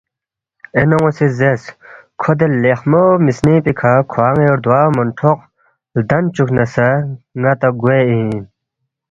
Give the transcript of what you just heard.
اے نون٘و سی زیرس، ”کھوے دے لیخمو مِسنِنگ پیکھہ کھوان٘ی ردوا سمونٹھوق لدن چُوکس نہ سہ ن٘ا تا گوے اِن،